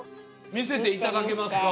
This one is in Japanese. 見せていただけますか？